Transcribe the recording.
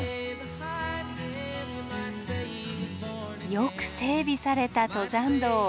よく整備された登山道。